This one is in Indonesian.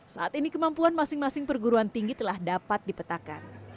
saat ini kemampuan masing masing perguruan tinggi telah dapat dipetakan